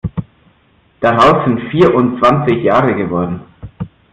Daraus sind vierundzwanzig Jahre geworden.